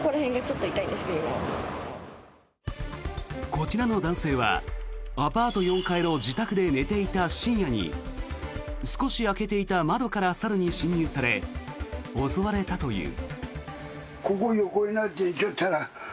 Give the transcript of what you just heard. こちらの男性はアパート４階の自宅で寝ていた深夜に少し開けていた窓から猿に侵入され襲われたという。